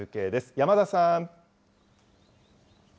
山田さん。